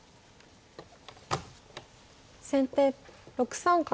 先手６三角。